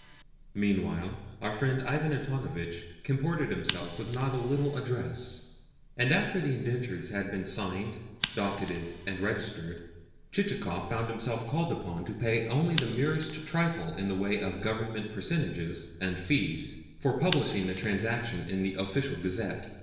Meanwhile our friend Ivan Antonovitch comported himself with not a little address; and after the indentures had been signed, docketed, and registered, Chichikov found himself called upon to pay only the merest trifle in the way of Government percentage and fees for publishing the transaction in the Official Gazette.